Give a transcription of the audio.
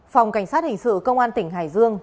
phòng cảnh sát hình sự công an tỉnh hải dương